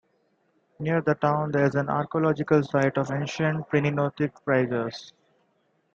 Near the town there's an archaeological site of ancient Priniatikos Pyrgos.